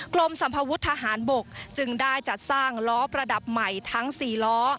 กรมสัมภวุฒิทหารบกจึงได้จัดสร้างล้อประดับใหม่ทั้ง๔ล้อ